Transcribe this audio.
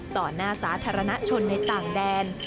ต่อหน้าสาธารณชนในต่างแดน